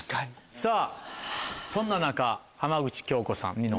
さぁそんな中浜口京子さんニノ。